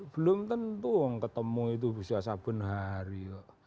belum tentu ketemu itu bisa sabun hari